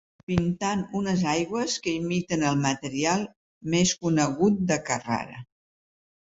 Pintant unes aigües que imiten el material més conegut de Carrara.